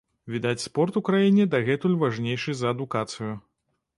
Відаць, спорт у краіне дагэтуль важнейшы за адукацыю.